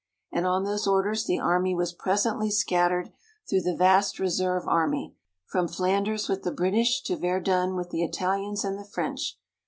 And on those orders the army was presently scattered through the vast reserve army, from Flanders with the British to Verdun with the Italians and the French.